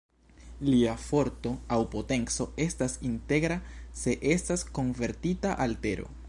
Lia forto aŭ potenco estas integra se estas konvertita al tero.